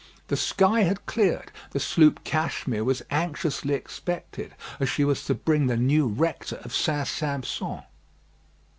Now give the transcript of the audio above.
The sky had cleared: the sloop Cashmere was anxiously expected, as she was to bring the new rector of St. Sampson.